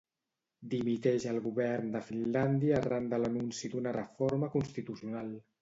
Dimiteix el govern de Finlàndia arran de l'anunci d'una reforma constitucional.